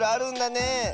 ねえ。